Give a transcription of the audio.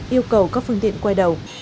yêu cầu các phương tiện quay đầu